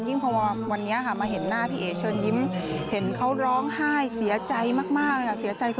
ขอให้คุณมีสะดวกคุณที่ดี